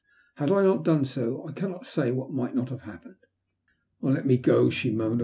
Had I not done so, I cannot say what might not have happened. "Let me go," she moaned.